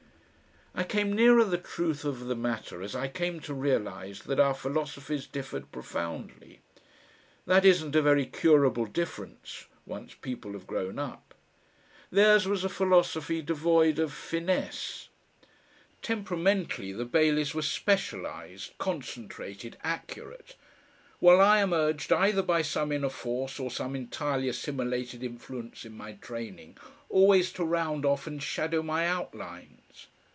I came nearer the truth of the matter as I came to realise that our philosophies differed profoundly. That isn't a very curable difference, once people have grown up. Theirs was a philosophy devoid of FINESSE. Temperamentally the Baileys were specialised, concentrated, accurate, while I am urged either by some Inner force or some entirely assimilated influence in my training, always to round off and shadow my outlines.